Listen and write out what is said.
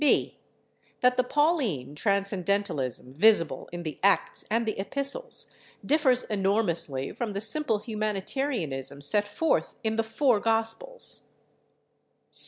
(b) That the Pauline transcendentalism visible in the Acts and the Epistles differs enormously from the simple humanitarianism set forth in the Four Gospels.